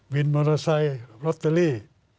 วินมอเตอร์ไซค์ลอตเตอรี่